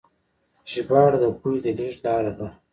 ژباړه د پوهې د لیږد لاره ده.